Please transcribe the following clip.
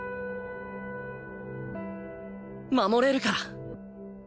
守れるから！